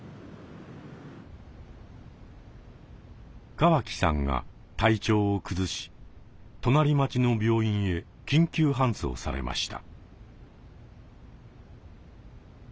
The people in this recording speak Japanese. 川木さんが体調を崩し隣町の病院へ緊急搬送されました。